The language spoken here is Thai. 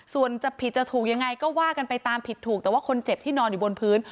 ส่วนจะผิดจะถูกยังไงก็ว่ากันไปตามผิดถูกแต่ว่าคนเจ็บที่นอนอยู่บนพื้น